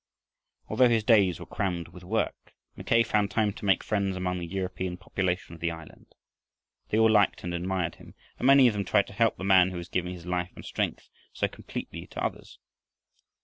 Although his days were crammed with work, Mackay found time to make friends among the European population of the island. They all liked and admired him, and many of them tried to help the man who was giving his life and strength so completely to others.